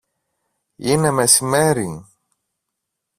Είναι μεσημέρι!